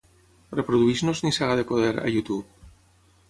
Reprodueix-nos "Nissaga de poder" a YouTube.